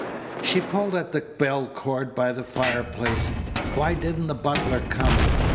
She pulled at the bell cord by the fireplace. Why didn't the butler come?